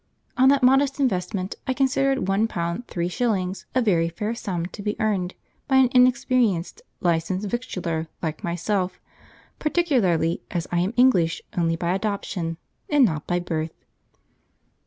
On that modest investment, I considered one pound three shillings a very fair sum to be earned by an inexperienced 'licensed victualler' like myself, particularly as I am English only by adoption, and not by birth.